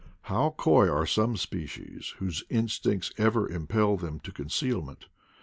How coy are some spe cies whose instincts ever impel them to conceal ment!